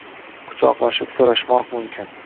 Quchoqlashib soʼrashmoq mumkin